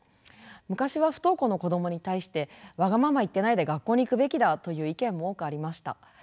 昔は不登校の子どもに対してわがまま言ってないで学校に行くべきだという意見も多くありました。